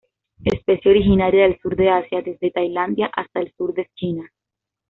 Especie originaria del sur de Asia, desde Tailandia hasta el sur de China.